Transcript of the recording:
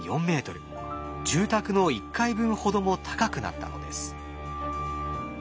住宅の１階分ほども高くなったのです。